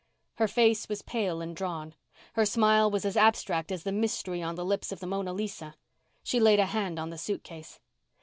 Her face was pale and drawn; her smile was as abstract as the mystery on the lips of the Mona Lisa. She laid a hand on the suitcase.